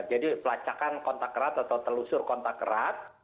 jadi pelacakan kontak erat atau telusur kontak erat